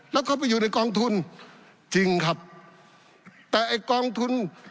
แล้วเขาไปอยู่ในกองทุนจริงครับแต่ไอ้กองทุน